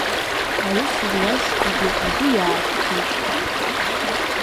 Аус зуаз зегьы адәы иаақәхеит.